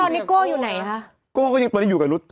แล้วตอนนี้โก้อยู่ไหนคะ